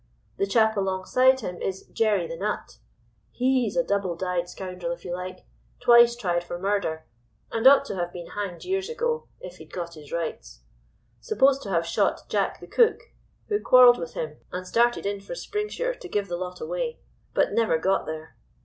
The chap alongside him is "Jerry the Nut." He's a double dyed scoundrel, if you like, twice tried for murder, and ought to have been hanged years ago, if he'd got his rights. Supposed to have shot "Jack the Cook," who quarrelled with him, and started in for Springsure to give the lot away, but never got there.